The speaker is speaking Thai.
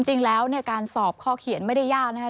จริงแล้วเนี่ยการสอบข้อเขียนไม่ได้ยากนะครับ